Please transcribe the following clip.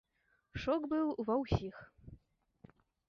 Шок быў ва ўсіх.